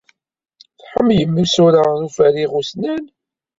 Tḥemmlemt isura n uferriɣ ussnan?